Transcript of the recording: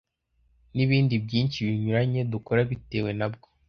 n’ibindi byinshi binyuranye dukora bitewe na bwo.